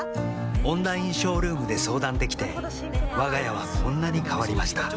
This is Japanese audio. オンラインショールームで相談できてわが家はこんなに変わりました